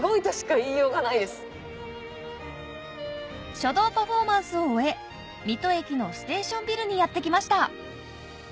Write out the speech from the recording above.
書道パフォーマンスを終え水戸駅のステーションビルにやって来ました